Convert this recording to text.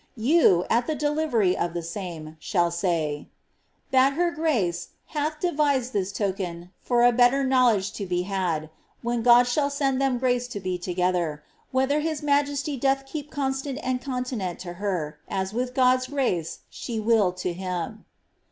You, at the delivery of the same, shall say, ' that her grace hath devised this token for a better knowledge to be had (when Goid shall send them grace to be together), whether his majesty doth keep constant and continent to her, as with God's grace she will to him.'